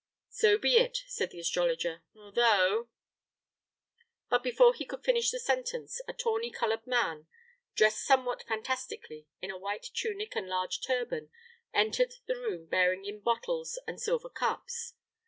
"So be it," said the astrologer; "although " But before he could finish the sentence, a tawny colored man, dressed somewhat fantastically, in a white tunic and large turban, entered the room bearing in bottles and silver cups.